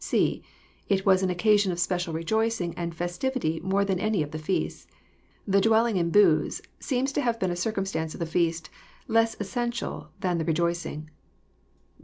(c.) It was an occasion of special rejoicing and festivity more than any of the feasts. The dwelling in booths seems to have been a circumstance of the feast less essential than the rejoicing.